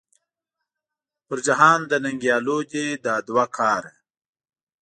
پر جهان د ننګیالو دې دا دوه کاره .